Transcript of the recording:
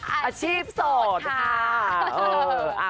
อาชีพโสดค่ะ